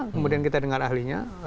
kemudian kita dengar ahlinya